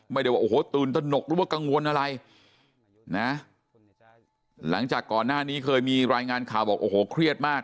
ว่าโอ้โหตื่นตนกหรือว่ากังวลอะไรนะหลังจากก่อนหน้านี้เคยมีรายงานข่าวบอกโอ้โหเครียดมาก